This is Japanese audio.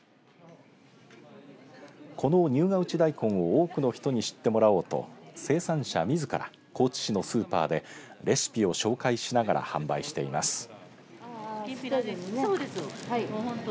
この入河内大根を多くの人に知ってもらおうと生産者みずから高知市のスーパーでレシピを紹介しながら販売しています。